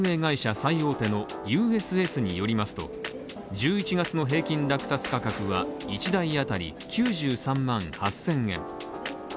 最大手のＵＳＳによりますと１１月の平均落札価格は１台当たり９３万８０００円。